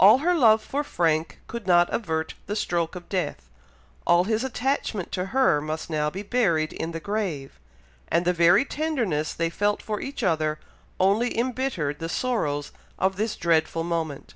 All her love for Frank could not avert the stroke of death, all his attachment to her must now be buried in the grave, and the very tenderness they felt for each other, only embittered the sorrows of this dreadful moment.